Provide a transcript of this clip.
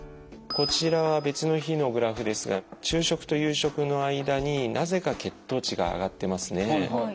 こちらは別の日のグラフですが昼食と夕食の間になぜか血糖値が上がってますね。